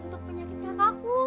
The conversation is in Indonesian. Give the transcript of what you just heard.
untuk penyakit kakakku